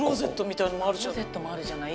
クローゼットもあるじゃない。